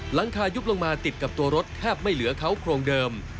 หลังคายุบลงมาติดกับตัวรถแทบไม่เหลือเขาโครงเดิม